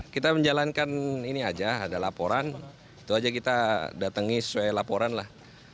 kita menjalankan ini aja ada laporan itu aja kita datangi sesuai laporan lah